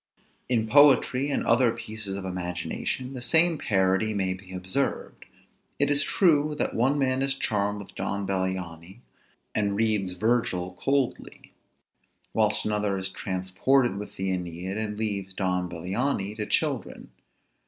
In poetry, and other pieces of imagination, the same parity may be observed. It is true, that one man is charmed with Don Bellianis, and reads Virgil coldly; whilst another is transported with the Æneid, and leaves Don Bellianis to children.